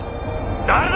「誰だ？